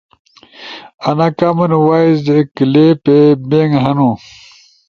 آنا کامن وائے اے کلپس بنک ہنُو۔